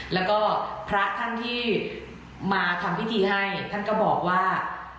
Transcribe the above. แล้วก็พระท่านที่มาทำพิธีให้ท่านก็บอกว่า